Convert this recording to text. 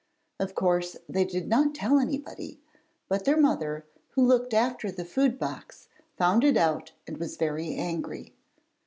Of course, they did not tell anybody, but their mother, who looked after the food box found it out and was very angry.